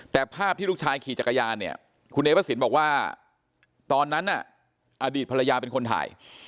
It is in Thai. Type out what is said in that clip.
แต่ภาพที่ลูกชายขี่จักรยานเนี่ยคุณเอพระสินบอกว่าตอนนั้นน่ะอดีตภรรยาเป็นคนถ่าย